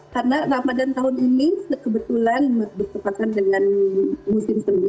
karena ramadan tahun ini sekebetulan berkepatan dengan musim seni